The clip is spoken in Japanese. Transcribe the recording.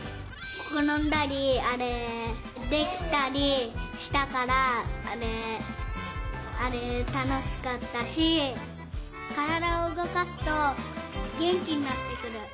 ころんだりあれできたりしたからあれあれたのしかったしからだをうごかすとげんきになってくる。